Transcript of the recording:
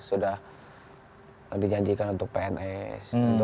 sudah dijanjikan untuk pns